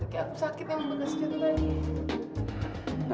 kayak aku sakit ya mau bener bener jatuh lagi